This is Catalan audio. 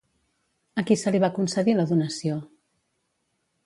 A qui se li va concedir la donació?